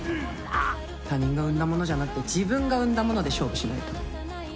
他人が生んだものじゃなくて自分が生んだもので勝負しな。